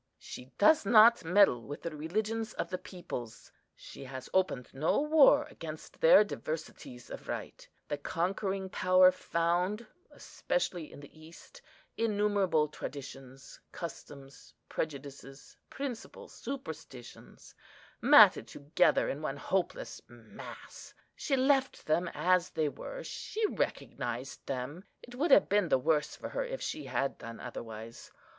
She does not meddle with the religions of the peoples. She has opened no war against their diversities of rite. The conquering power found, especially in the East, innumerable traditions, customs, prejudices, principles, superstitions, matted together in one hopeless mass; she left them as they were; she recognised them; it would have been the worse for her if she had done otherwise.